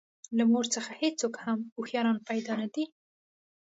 له مور څخه هېڅوک هم هوښیاران پیدا نه دي.